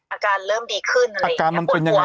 อาการเริ่มดีขึ้นอะไรอย่างนี้